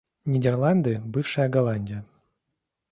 Нидерланды — бывшая Голландия.